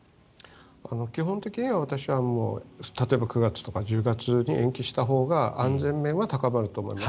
基本的には、私は例えば９月とか１０月に延期したほうが安全面は高まると思います。